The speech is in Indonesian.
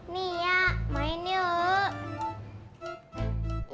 ma main yuk